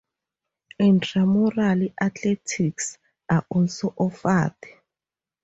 Intramural athletics are also offered.